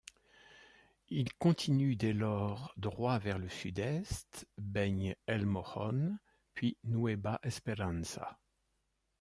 Il continue dès lors droit vers le sud-est, baigne El Mojón puis Nueva Esperanza.